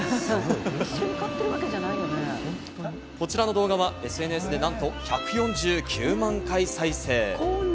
こちらの動画はＳＮＳでなんと１４９万回再生。